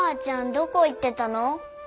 どこ行ってたの？